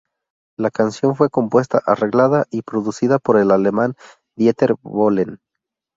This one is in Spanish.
La canción fue compuesta, arreglada y producida por el alemán Dieter Bohlen.